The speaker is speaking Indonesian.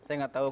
saya nggak tahu